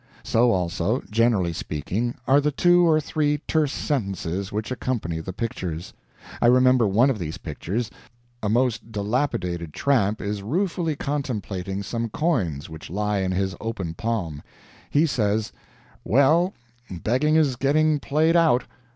So also, generally speaking, are the two or three terse sentences which accompany the pictures. I remember one of these pictures: A most dilapidated tramp is ruefully contemplating some coins which lie in his open palm. He says: "Well, begging is getting played out.